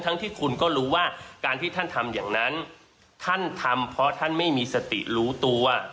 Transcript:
ที่คุณก็รู้ว่าการที่ท่านทำอย่างนั้นท่านทำเพราะท่านไม่มีสติรู้ตัว